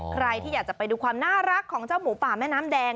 ใครที่อยากจะไปดูความน่ารักของเจ้าหมูป่าแม่น้ำแดง